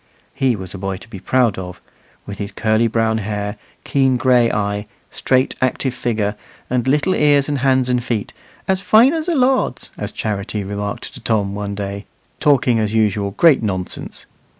He was a boy to be proud of, with his curly brown hair, keen gray eye, straight active figure, and little ears and hands and feet, "as fine as a lord's," as Charity remarked to Tom one day, talking, as usual, great nonsense.